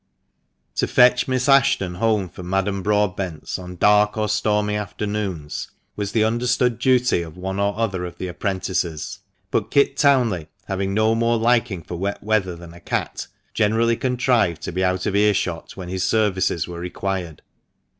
To fetch Miss Ashton home from Madame Broadbent's on dark or stormy afternoons, was the understood duty of one or other of the apprentices ; but Kit Townley, having no more liking for wet weather than a cat, generally contrived to be out of earshot when his services were required.